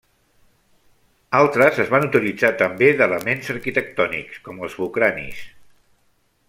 Altres es van utilitzar també d'elements arquitectònics, com els bucranis.